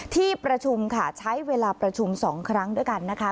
ที่ประชุมค่ะใช้เวลาประชุม๒ครั้งด้วยกันนะคะ